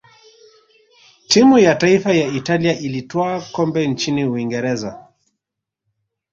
timu ya taifa ya italia ilitwaa kombe nchini uingereza